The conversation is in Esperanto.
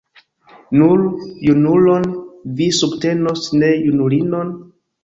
Nur junulon vi subtenos, ne junulinon?